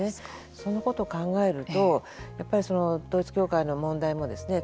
そのことを考えるとやっぱり統一教会の問題もですね